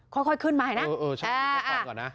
ค่อยขึ้นมาให้นะ